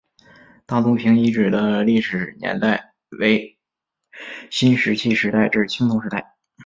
大族坪遗址的历史年代为新石器时代至青铜时代。